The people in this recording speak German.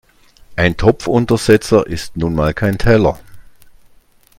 Ein Topfuntersetzer ist nun mal kein Teller.